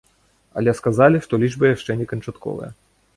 Але сказалі, што лічба яшчэ не канчатковая.